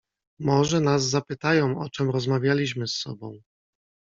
"Może nas zapytają, o czem rozmawialiśmy z sobą."